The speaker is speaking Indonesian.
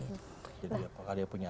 jadi apakah dia punya